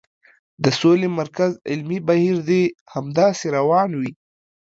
د سولې مرکز علمي بهیر دې همداسې روان وي.